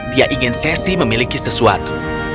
dia ingin sesi memiliki sesuatu